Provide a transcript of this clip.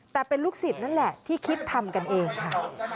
แต่เป็นลูกศิษย์นั่นแหละที่คิดทำกันเองค่ะ